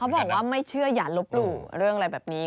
บอกว่าไม่เชื่ออย่าลบหลู่เรื่องอะไรแบบนี้